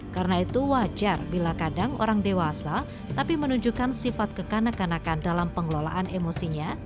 karena itu wajar bila kadang orang dewasa tapi menunjukkan sifat kekanak kanakan dalam pengelolaan emosinya